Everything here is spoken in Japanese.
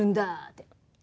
って。